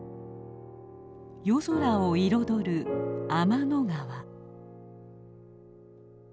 夜空を彩る天の川。